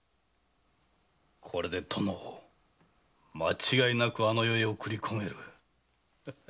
これで殿を間違いなくあの世へ送り込める〕